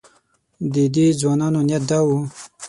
د دې ځوانانو نیت دا و.